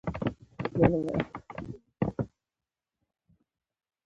خوښي ښایسته ده.